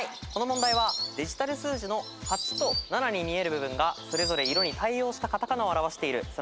この問題はデジタル数字の８と７に見える部分がそれぞれ色に対応したカタカナを表している。